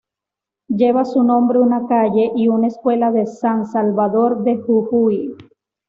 Lleva su nombre una calle y una escuela de San Salvador de Jujuy.